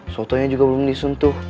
sotonya juga belum disuntuh